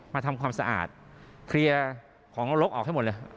มาทำความสะอาดเคลียร์ของนรกออกให้หมดเลย